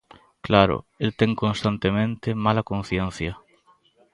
Claro, el ten constantemente mala conciencia.